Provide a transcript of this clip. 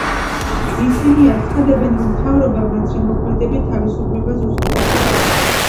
ისინი აცხადებენ, რომ მთავრობა მათ შემოქმედებით თავისუფლებას უზღუდავს.